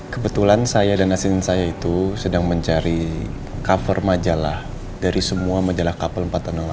kebetulan saya dan asin saya itu sedang mencari cover majalah dari semua majalah kapal empat